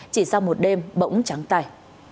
chỉ sau một đêm bỗng trắng tài